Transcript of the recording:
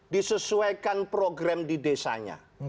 disesuaikan program di desanya